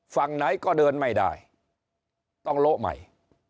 ฝั่งไหนก็เดินไม่ได้ต้องโละใหม่